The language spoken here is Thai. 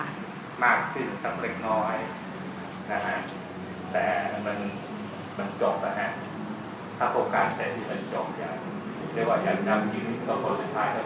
ไม่ว่ายังยำอยู่กับคนสุทัยก็คิดว่าเต้าท้องการยกเวิ่งสะพานข้ามแยกรัชโยธิน